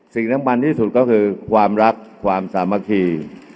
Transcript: สิ่งสำคัญที่สุดก็คือความรักความสามัคคี